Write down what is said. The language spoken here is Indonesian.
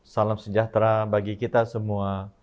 salam sejahtera bagi kita semua